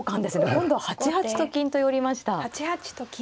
今度は８八と金と寄りました。